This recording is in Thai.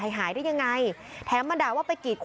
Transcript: เลิกเลิกเลิกเลิกเลิกเลิก